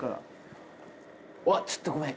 うわっちょっとごめん！